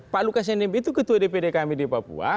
pak lukas nmb itu ketua dpd kami di papua